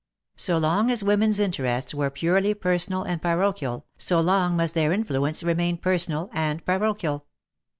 So long as women's interests were purely personal and parochial, so long must their influ ence remain personal and parochial.